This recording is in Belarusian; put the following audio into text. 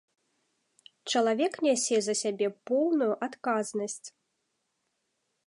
Чалавек нясе за сябе поўную адказнасць.